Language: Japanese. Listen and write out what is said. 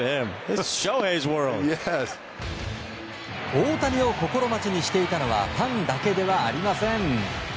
大谷を心待ちにしていたのはファンだけではありません。